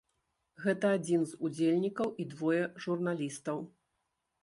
Гэта адзін з удзельнікаў і двое журналістаў.